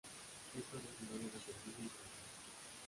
Es originaria de Bolivia y Brasil.